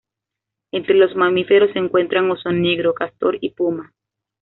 Entre los mamíferos se encuentran oso negro, castor y puma.